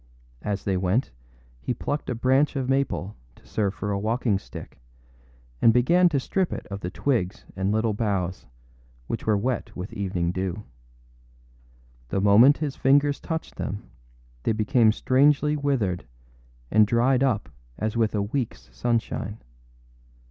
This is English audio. As they went, he plucked a branch of maple to serve for a walking stick, and began to strip it of the twigs and little boughs, which were wet with evening dew. The moment his fingers touched them they became strangely withered and dried up as with a weekâs sunshine.